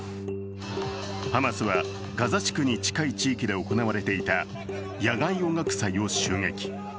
ハマスはガザ地区に近い地域で行われていた野外音楽祭を襲撃。